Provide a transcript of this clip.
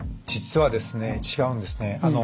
実はですね違うんですね。